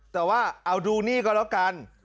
แต่ว่าเอาดูนี่ก็แล้วกัน